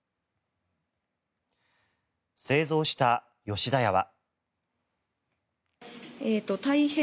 製造した吉田屋は。